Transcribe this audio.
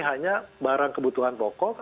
hanya barang kebutuhan pokok